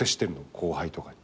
後輩とかに。